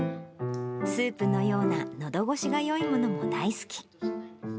スープのような、のど越しがよいものも大好き。